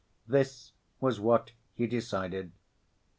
This was what he decided.